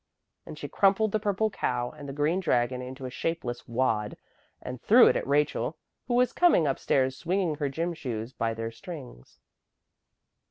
And she crumpled the purple cow and the green dragon into a shapeless wad and threw it at Rachel, who was coming up stairs swinging her gym shoes by their strings.